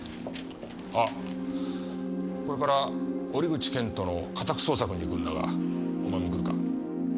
あこれから折口謙人の家宅捜索に行くんだがお前も来るか？